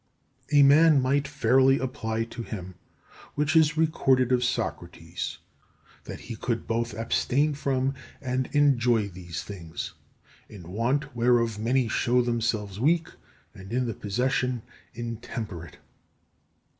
A man might fairly apply that to him which is recorded of Socrates: that he could both abstain from and enjoy these things, in want whereof many show themselves weak, and, in the possession, intemperate.